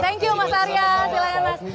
thank you mas arya silahkan mas